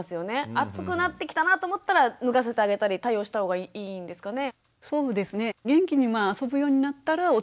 暑くなってきたなと思ったら脱がせてあげたり対応した方がいいんですかね。